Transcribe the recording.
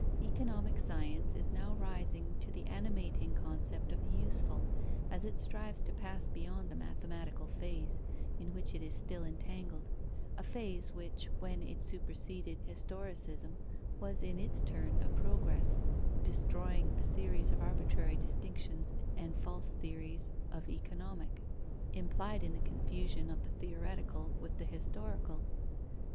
Economic science is now rising to the animating concept of the useful, as it strives to pass beyond the mathematical phase, in which it is still entangled; a phase which, when it superseded historicism, was in its turn a progress, destroying a series of arbitrary distinctions and false theories of Economic, implied in the confusion of the theoretical with the historical.